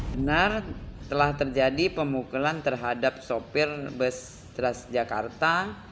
benar telah terjadi pemukulan terhadap sopir bus transjakarta